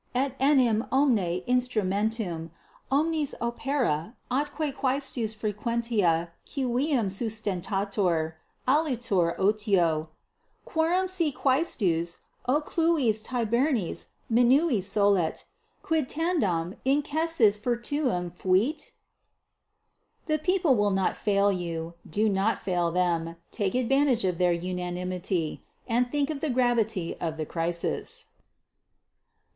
Etenim omne instrumentum, omnis opera atque quaestus frequentia civium sustentatur, alitur otio: quorum si quaestus occlusis tabernis minui solet, quid tandem incensis futurum fuit? _The people will not fail you; do not fail them. Take advantage of their unanimity, and think of the gravity of the crisis.